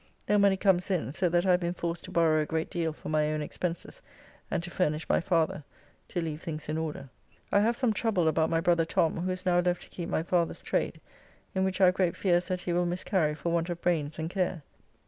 No money comes in, so that I have been forced to borrow a great deal for my own expenses, and to furnish my father, to leave things in order. I have some trouble about my brother Tom, who is now left to keep my father's trade, in which I have great fears that he will miscarry for want of brains and care.